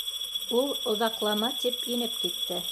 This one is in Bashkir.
Ул, оҙаҡлама, тип инеп китте.